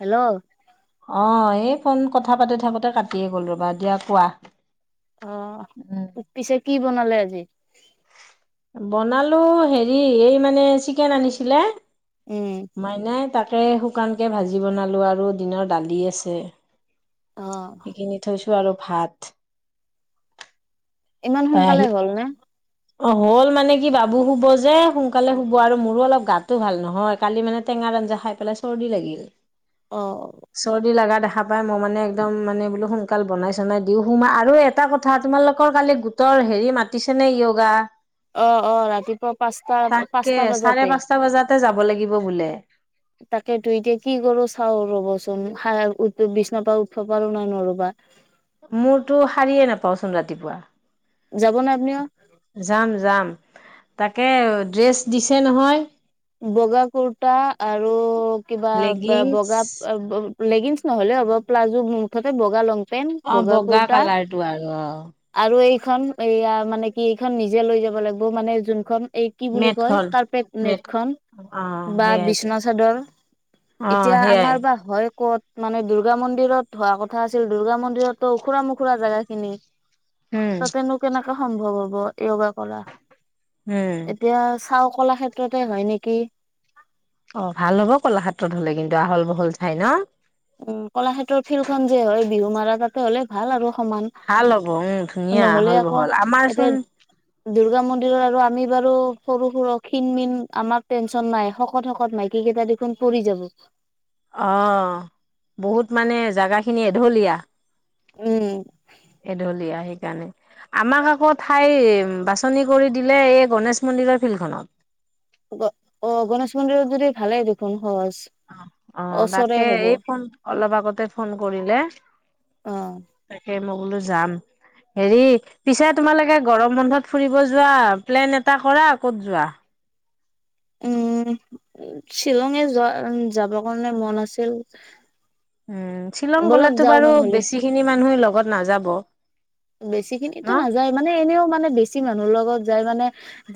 Hello অ এই phone কথা পাতি থাকোতে কাটিয়ে গ'ল ৰবা, দিয়া কোৱা। অ উম। পিছে কি বনালে আজি? বনালো হেৰি এই মানে চিকেন আনিছিলে। উম মাইনাই তাকে শুকানকে ভাজি বনালো আৰু দিনৰ দালি আছে। অ। সেইখিনি থৈছো আৰু ভাত ইমান তাই আহি সোনকালে হ'ল নে? অ হ'ল মানে কি বাবু শুব যে সোনকালে শুব আৰু মোৰো অলপ গাতো ভাল নহয় কালি মানে টেঙাৰ আঞ্জা খাই [unintelligible] চৰ্দি লাগিল। অ অ। চৰ্দি লাগা দেখা পাই মই মানে একদম মানে বোলো সোনকাল বনাই চনাই দিও সোমা আৰু এ এটা কথা তোমালোকৰ কালি গোটৰ হেৰি মাতিছে নে য়োগা? অ অ ৰাতিপুৱা পাঁচটা পাঁচটা বাজাতে। তাতে যাব লাগিব বোলে। তাকেতো এতিয়া কি কৰো চাও ৰবাচোন খাই উঠ বিছনাৰ পৰা উঠিব পাৰো না নৰো বা। মোৰতো শাৰীয়ে নাপাওচোন ৰাতিপুৱা। যাব না আপুনিও? যাম যাম, তাকে ড্ৰেছ দিছে নহয়। বগা কুৰ্তা আৰু কিবা লেগিংছ বগা [unintelligible] লেগিনছ নহলে হব প্লাজো মুঠতে বগা লং অ পেন্ট বগা কুৰ্তা কালাৰটো আৰু অ আৰু এইখন এইয়া মানে কি এইখন নিজে লৈ যাব লাগিব মানে যোনখন এই কি বুলি কয় মেটখন কাৰ্পেট নেট মেট খন অ বা সেইয়াইতো বিচনা চাদৰ অ এতিয়া সেইয়াই আমাৰ বা হয় ক'ত? মানে দুৰ্গা মন্দিৰত হোৱা কথা আছিল দুৰ্গা মন্দিৰতো ওখুৰা মোখুৰা জেগা খিনি। উম তাতেনো কেনেকাে সম্ভৱ হ'ব য়োগা কৰা। হে। এতিয়া চাউ কলাক্ষেত্ৰতে হয় নেকি। অ ভাল হ'ব কলাক্ষেত্ৰত হলে কিন্তু আহল বহল ঠাই ন। উম কলাক্ষেত্ৰৰ ফিল্ডখন যে হয় বিহু মাৰা তাতে হলে ভাল আৰু সমান। ভাল হব উম ধুনীয়া আহল বহল আমাৰচোন। দূৰ্গা মন্দিৰত আৰু আমি বাৰু সৰু সৰু ক্ষিণ মিন আমাক টেনচন নাই শকত শকত মাইকী কেইটা, চোন পৰি যাব। অ বহুত মানে জাগাখিনি এঢলীয়া। উম এঢলিয়া সেইকাৰণে। আমাক আকৌ ঠাই বাছনি কৰি দিলে এই গণেশ মন্দিৰৰ ফিল্ডখনত। গ অ গণেশ মন্দিৰত যদি ভালে দেখোন সহজ। অ অ ওচৰে তাকে হব এই ফোন অলপ আগতে ফোন কৰিলে। অ তাকে মই বোলো যাম। হেৰি পিছে তোমালোকে গৰম বন্ধত ফুৰিব যোৱা প্লেন এটা কৰা ক'ত যোৱা। উম', শ্বিলঙে যোৱা উ যাবৰ কাৰণে মন আছিল। উম', শ্বিলং গলে ব'লক তো যাওঁ বাৰু নহ'লে বেছি খিনি মানুহে লগত নাযাব। বেছি ন? খিনিতো নাযায় মানে এনেও মানে বেছি মানুহৰ লগত যায় মানে,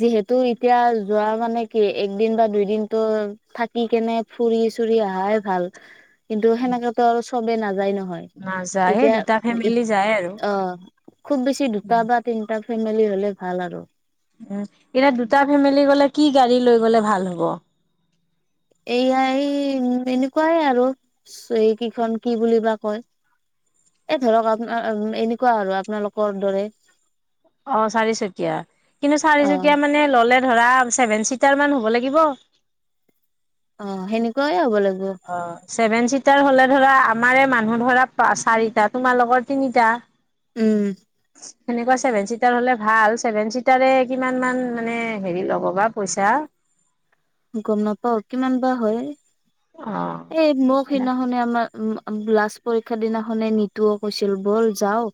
যিহেতু এতিয়া যোৱা মানে কি একদিন বা দুদিন টো। থাকি কেনে ফুৰি চুৰি আহাই ভাল কিন্তু, সেনেকেতো আৰু চবে নাযায় নহয়। নাযায় সেই এতিয়া দুটা বি ফেমিলি যায় আৰু অ, খুব বেছি দুটা বা তিনটা ফেমিলি হলে ভাল আৰু, উ', এতিয়া দুটা ফেমিলি গলে কি গাড়ী লৈ গ'লে ভাল হ'ব। এইয়া এই এনেকুৱাই আৰু এই কেইখন কি বুলি বা কয়। এ', ধৰক আপ এনেকুৱা আৰু আপোনালোকৰ দৰে। অ', চাৰিচকীয়া কিন্তু অ'। চাৰিচকীয়া মানে ললে ধৰা ছেভেন চিটাৰ মান হব লাগিব। অ', সেনেকুৱাইে হব লাগিব। অ', চছেভেন চিটাৰ হলে ধৰা আমাৰে মানুহ ধৰা চাৰিটা তোমালোকৰ তিনিটা। উম', সেনেকুৱা ছেভেন চিটাৰ হলে ভাল ছেভেন চিটাৰে কিমান মান মানে হেৰি ল'ব বা পইচা। গম নাপাও। কিমান বা হয়। অ এই মোক সিদিনাখনে আমাৰ, উ', লাষ্ট পৰীক্ষা দিনাখনে নিতুও কৈছিল। ব'ল যাও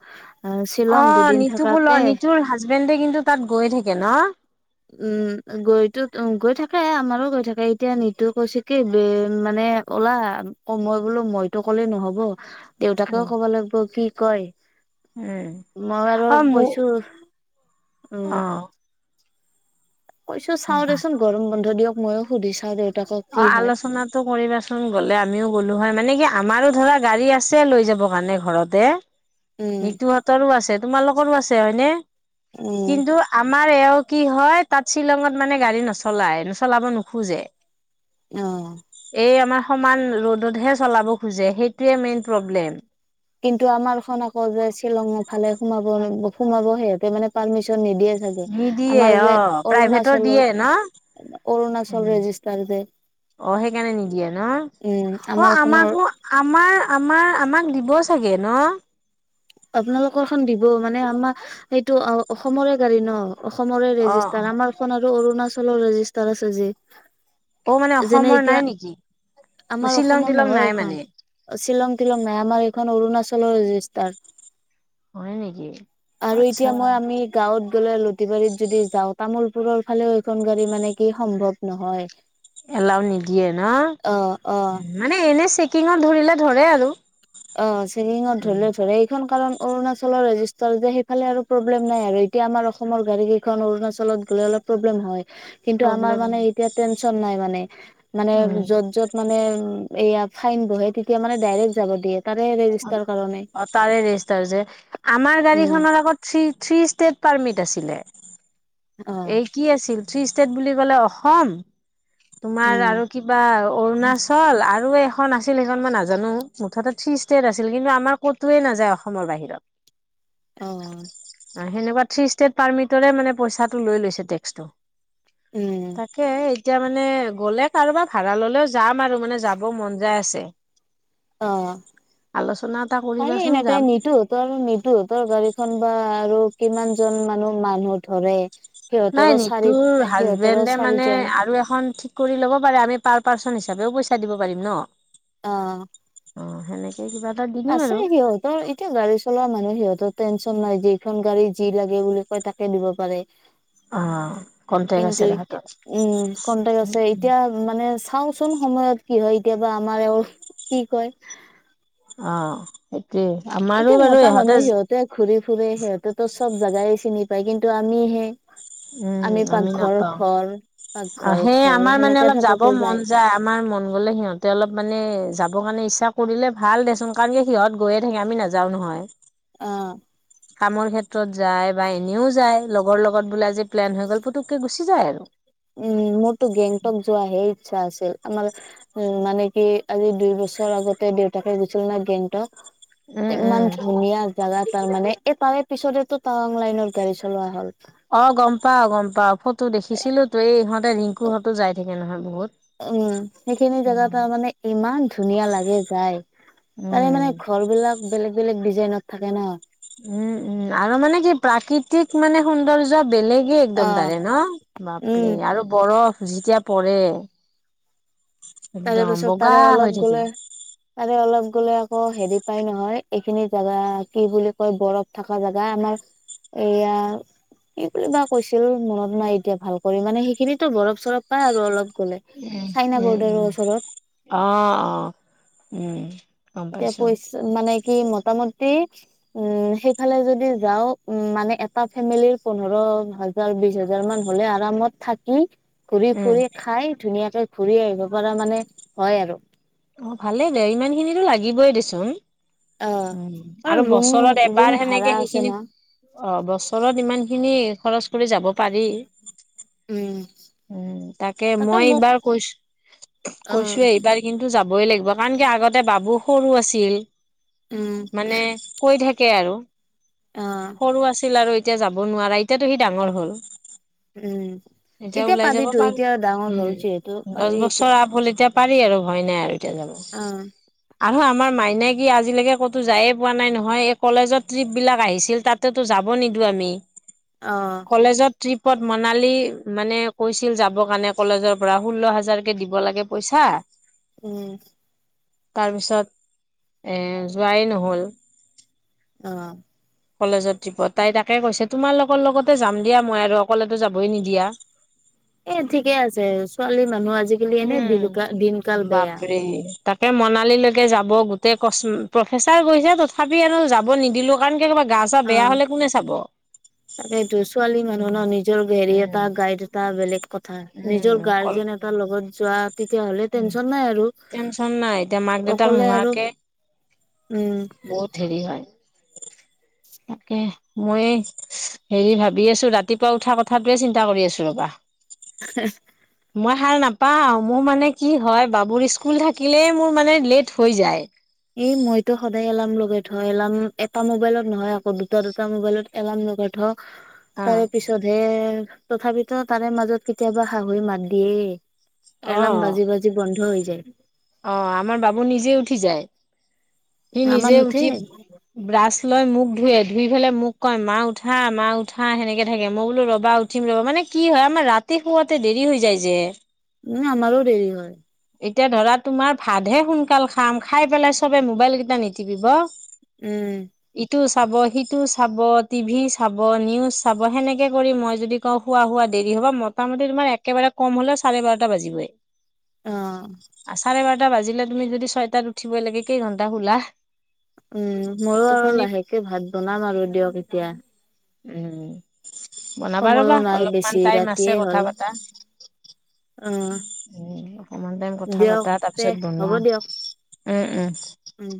আহ শ্বিলং অ', দুদিন নিতু কো ল থাকাকে নিতুৰ হাজবেণ্ডে কিন্তু, তাত গৈ থাকে ন উম', গৈতো গৈ থাক। আমাৰো কৈ থাকে। এতিয়া নিতো কৈছে কি মানে ওলা কময় বোলো। মই তটো কলে নহব দেউতাকেও ক'ব লাগিব কি কয়। উম মই আৰু অ মোক কৈছো উম', অ কৈছো চাওঁ দেচোন গৰম বন্ধ দিয়ক ময়ো সুধি চাওঁ দে। অ', আলোচনাত কৰিবা চোন গ'লে আমিও গ'লো হয়, মানে কি আমাৰো ধৰা গাড়ী আছে, লৈ যাব। কাৰণে ঘৰতে। উম নিতুহঁতৰো আছে। তোমালোকৰো আছে হয়নে। উম কিন্তু, আমাৰ এওঁ কি হয়। তাত শ্বিলঙত মানে গাড়ী নচলাই চলাব নোখোজে। অ', এই আমাৰ সমান ৰ'দতহে চলাব খোজে সেইটোৱে মেইন প্ৰব্লেম কিন্তু, আমাৰ খন আকৌ যে শ্বিলঙৰ ফালে সোমাব সোমাব সিহঁতে মানে পাৰ্মিশন নিদিয়ে। নিদিয়ে আমাৰ যে অ' প্ৰাইভেটৰ অৰুণাচলৰ দিয়ে ন? অৰুণাচল ৰেজিষ্টাৰ যে, অ', সেইকাৰণে নিদিয়ে ন উম অ, আমাৰ খনৰ আমাকো আমাৰ আমাৰ আমাক দিব চাগে ন আপোনালোকৰ খন দিব মানে আমাৰ সেইটো অসমৰে গাড়ী ন অসমৰে অ' ৰেজিষ্টাৰ আমাৰ খন আৰু অৰুণাচলৰ ৰেজিষ্টাৰ আছে। যে অ' মানে যেনে অসমৰ এতিয়া নাই নেকি? আমাৰ শ্বিলং অসমৰ তিলং নাই নহয়। মানে এখন শ্বিলং টিলং নাই আমাৰ এইখন অৰুণাচলৰ ৰেজিষ্টাৰ হয় নেকি? আৰু আচ্ছা এতিয়া মই আমি গাঁৱত গ'লে লতিবাৰীত যদি যাও তামোুলপুৰৰ ফালেও এইখন গাড়ী মানে কি সম্ভৱ নহয়। এলাও নিদিয়ে ন অ অ মানে এনে চেকিঙত ধৰিলে ধৰে আৰু অ', চেকিঙত উম। ধৰিলে ধৰে। এইখন কাৰণ অৰুণাচলৰ ৰেজিষ্টাৰ যে, সেইফালে আৰু প্ৰব্লেম নাই, আৰু এতিয়া আমাৰ অসমৰ গাড়ী কেইখন অৰুণাচলত গ'লে অলপ প্ৰব্লেম হয়। কিন্তু, আমাৰ প্ৰব্লেম মানে এতিয়া টেনচন নাই, মানে মানে উম যত-যত মানে এয়া ফাইন বহে তেতিয়া মানে ডাইৰেক্ট যাব দিয়ে। তাৰে ৰে অ তাৰে ৰেজিষ্টাৰ যে আমাৰ উম গাড়ীখনৰ আগত থ্ৰী ষ্টেট পাৰ্মিট আছিলে অ এই কি আছিল থ্ৰী ষ্টেট বুলি ক'লে অসম তোমাৰ উম আৰু কিবা অৰুণাচ হ'ল আৰু এইখন আছিল সেইখন মই নাজানো মুঠতে থ্ৰী ষ্টেট আছিল কিন্তু আমাৰ ক'তোৱেই নাযায় অসমৰ বাহিৰত অহ অ সেনেকুৱা থ্ৰী ষ্টেট পাৰ্মিটৰে মানে পইচাটো লৈ লৈছে টেক্সটো উম তাকে এতিয়া মানে গ'লে কাৰোবাৰ ভাড়া ল'লেও যাম আৰু মানে যাব মন যায় আছে অ আলোচনা এটা পাৰি কৰিবাচোন এনেকে যাম নিতো ত আৰু নীতু তৰ গাড়ীখন বা আৰু কিমান জন মানহ মানুহ ধৰে নাই সিহঁতৰো চাৰি নীতুৰ সিহঁতৰো হাজবেণ্ডে মানে চাৰিজন আৰু এখন থিক কৰি ল'ব পাৰে আমি পাৰ পাৰ্চন হিচাপেও পইচা দিব পাৰিম ন অ অ হেনেকে তই কিবা এটা দি দিম আৰু আছেই সিহঁত ত এতিয়া গাড়ী চলোৱা মানুহ সিহঁতৰ টেনচন নাই যে যিখন গাড়ী যি লাগে বুলি কয় তাকে দিব পাৰে অ কন্টেক্ট কিন্তু আছে এতিয়া তাহাঁতৰ উম কন্টেক আছে এতিয়া মানে চাওচোন সময়ত কি হয় এতিয়াবা আমাৰ এও কি কয় অ সেইটোয়ে আমাৰো বাৰু ইহঁতে সতে ঘুৰি ফুৰে সিহঁতেতো সব জেগাই চিনি পায় কিন্তু আমিহে আমি উম পাকঘৰ নাপাও ঘৰ পাকঘৰ ঘৰ সেনেকে থাকোতে যায় যে আমাৰ মন গ'লে সিহঁতে অলপ মানে যাব কাৰণে ইচ্ছা কৰিলে ভাল দেচোন কাৰণ সিহত গৈয়ে থাকে আমি নাযাও নহয় অ কামৰ ক্ষেত্ৰত যায় বা এনেও যায় লগৰ লগত বোলো যে প্লেন হৈ গ'ল পুতুককে গুচি যায় আৰু উম মোৰটো গেংটক যোৱা হে ইচ্ছা আছিল আমাৰ উম মানে কি আজি দুই বছৰ আগতে দেউতাকে গৈছিল নহয় গেংটক উম উম ইমান ধুনীয়া জাগা তাৰ মানে এই তাৰে পিছতেটো তাৱাং লাইনত গাড়ী চলোৱা হ'ল অ গম পাও গম পাও ফটো দেখিছিলো তো এই ইহঁতে ৰিংকু হতো যাই থাকে নহয় বহুত উম সেইখিনি জেগা উম। তাৰ মানে ইমান ধুনীয়া লাগে যায় তাৰে মানে ঘৰ বিলাক বেলেগ বেলেগ ডিজাইনত থাকে ন উম উম আৰু মানে কি প্ৰাকৃতিক মানে সৌন্দৰ্য বেলেগ অ একদম তাৰে ন উম বাপৰে আৰু বৰফ যেতিয়া পৰে একদম বগা হৈ থাকে আৰু অলপ গলে আকৌ হেৰি পাই নহয় এইখিনি জেগা কি বুলি কয় বৰফ থকা জেগা আমাৰ এইয়া কি বুলি বা কৈছিল মনত নাই এতিয়া ভাল কৰি মানে সেইখিনিতো বৰফ চৰফ পাই আৰু অলপ গলে উম চাইনা উম বৰ্ডাৰৰ উম ওচৰত অ অ উম গম এতিয়া পাইছো পইচা মানে কি মটামুটি উম সেইফালে যদি যাও উ মানে এটা ফেমিলিৰ পোন্ধৰ হাজাৰ বিশ হাজাৰ মান হলে আৰামত থাকি ঘূৰি উম ফুৰি খাই ধুনীয়াকে ঘূৰি আহিব পৰা মানে হয় আৰু অ ভালেই ইমান খিনিটো লাগিবই দেচোন অ উম আৰু ৰুম বছৰত ৰুম এবাৰ ভাড়া সেনেকে আছে ন সেইখিনি অ', বছৰত ইমান খিনি খৰচ কৰি যাব পাৰি। উম উম, তাকে তাতে মই মোক এইবাৰ কৈছো অ কৈছো এইবাৰ কিন্তু যাবই লাগিব কাৰণ কি আগতে বাবু সৰু আছিল, উম মানে কৈ থাকে তাকে আৰু অ সৰু আছিল আৰু এতিয়া যাব নোৱাৰা এতিয়াতো সি ডাঙৰ হ'ল। উম এতিয়া ওলাই যাব পাৰিতো পাৰোঁ এতিয়া ডাঙৰ হ'ল যিহেতু পাৰি দহ এতিয়া বছৰ আপ হ'ল এতিয়া পাৰি আৰু ভয় নাই আৰু এতিয়া যাব। অ আৰু আমাৰ মাই নাই কি আজিলৈকে ক'তো যায়ে পোৱা নাই নহয়, এই কলেজত ট্ৰিপ বিলাক আহিছিল তাত তো যাব নিদোও আমি। অ'। কলেজত ট্ৰিপত মনালী মানে কৈছিল যাবৰ কাৰণে, কলেজৰ পৰা ষোল্ল হাজাৰকে দিব লাগে পইচা। উম। তাৰ পিছত এ যোৱাই নহ'ল। অ'। কলেজৰ ট্ৰিপত তাই তাকে কৈছে তোমাৰ লগৰ লগতে যাম দিয়া মই আৰু অকলেতো যাবই নিদিয়া। এ ঠিকে আছে ছোৱালী মানুহ আজিকালি এনে দিন দিনকাল বেয়া। [unintelligible] তাকে মনালি লৈকে যাব গোটেই ক প্ৰফেচাৰ গৈছে তথাপি এন যাব নিদিলোঁ কাৰণ কিয় কিবা গা চা বেয়া হ'লে কোনে চাব। তাকেইটো ছোৱালী মানুহ ন' নিজৰ হেৰি এটা উম গাইড এটা বেলেগ কথা। নিজৰ অকল গাৰ্জেন এটাৰ লগত যোৱা। তেতিয়াহ'লে টেনচন নাই আৰু টেনচন নাই এতিয়া মাক দেউতাক অকলে আৰু নোহোৱাকে উম। বহুত হেৰি হয়, তাকে মই হেৰি ভাবি আছোঁ, ৰাতিপুৱা উঠা কথাটোৱে চিন্তা কৰি আছো ৰবা। [unintelligible] মই সাৰ নাপাওঁ, মোৰ মানে কি হয় বাবুৰ স্কুল থাকিলেই মোৰ মানে লেট হৈ যায়। এ মইটো সদায় এলাৰ্ম লগাই থওঁ এলাৰ্ম এটা মোবাইলত নহয়, আকৌ দুটা দুটা মোবাইলত এলাৰ্ম লগাই থওঁ। [inaudible] তাৰে অ পিছতহে তথাপিতো তাৰে মাজত কেতিয়াবা শাহুয়ে মাত দিয়ে। এলাৰ্ম বাজি বাজি বন্ধ হৈ যায়। অঁ, আমাৰ বাবু নিজে উঠি যায়, সি আমাৰ নিজে নুঠে উঠি ব্ৰাছ লৈ মোখ ধুুৱে ধুই পেলাই মোক কয়, মা উঠা মা উঠা সেনেকে থাকে মই বোলো ৰবা উ ঠিম ৰ, মানে কি হয়, আমাৰ ৰাতি শুৱাতে দেৰি হৈ যায় যে। উম, আমাৰো দেৰি হয়। এতিয়া ধৰা তোমাৰ ভাতহে সোনকাল খাম, খাই পেলাই চবে মোবাইল কেইটা নিতিপিব। উম। ইটো চাব, সিটো চাব, টিভি চাব, নিউজ চাব, সেনেকে কৰি মই যদি শুৱা শুৱা দেৰি হব, মোটামুটি তোমাৰ একেবাৰে কম হ'লেও চাৰে বাৰটা বাজিবই। অঁ। চাৰে বাৰটা বাজিলে তুমি যদি ছয়টাত উঠিবই লাগে কেইঘণ্টা শুলা? উম, ময়ো আৰু টোপনি লাহেকে ভাত বনাম আৰু দিয়ক এতিয়া। উম। বনাবা সময়ো ৰ'বা নাই অলপমান বেছি টাইম আছে ৰাতিয়ে হ'ল কথা পাতা। অ উম, অকমান টাইম কথা দিয়ক পাতা তাৰ তে পিছত হ'ব বনোৱা, দিয়ক উম উম। উম।